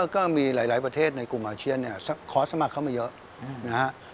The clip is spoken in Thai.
ก็มีหลายประเทศในกลุ่มอาเซียนเนี่ยขอสมัครเข้ามาเยอะนะฮะ